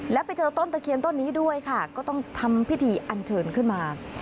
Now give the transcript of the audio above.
แล้วไปเจอต้นตะเคียนต้นนี้ด้วยค่ะก็ต้องทำพิธีอันเชิญขึ้นมา